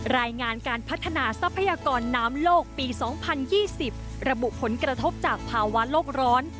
รายงานการพัฒนาทรัพยากรน้ำโลกปี๒๐๒๐ระบุผลกระทบจากภาวะโลกร้อน